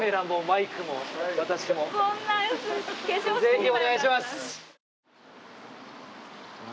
ぜひ、お願いします。